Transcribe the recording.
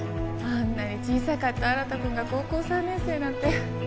あんなに小さかった新くんが高校３年生なんて。